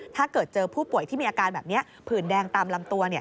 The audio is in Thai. ถ้าเกิดเจอผู้ป่วยที่มีอาการแบบนี้ผื่นแดงตามลำตัว